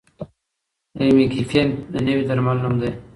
ریمیګیپینټ د نوي درمل نوم دی.